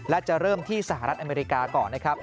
และจะเริ่มที่สหรัฐอเมริกาก่อนนะครับ